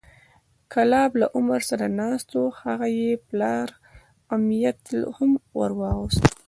کلاب له عمر سره ناست و هغه یې پلار امیة هم وورغوښت،